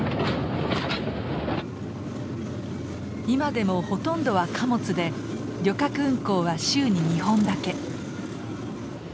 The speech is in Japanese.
今でもほとんどは貨物で旅客運行は週に２本だけ。